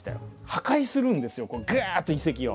破壊するんですよがっと遺跡を。